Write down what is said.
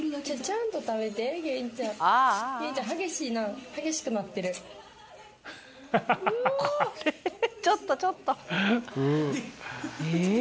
ちょっとちょっと！え！